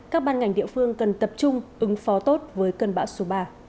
các ban ngành địa phương cần tập trung ứng phó tốt với cơn bão số ba